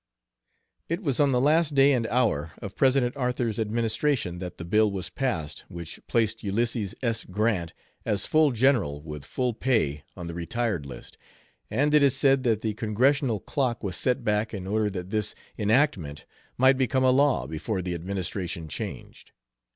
It was on the last day and hour of President Arthur's administration that the bill was passed which placed Ulysses S. Grant as full General with full pay on the retired list, and it is said that the congressional clock was set back in order that this enactment might become a law before the administration changed.